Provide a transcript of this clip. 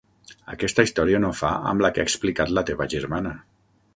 Aquesta història no fa amb la que ha explicat la teva germana.